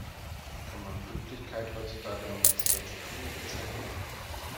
Kann man Pünktlichkeit heutzutage noch als deutsche Tugend bezeichnen?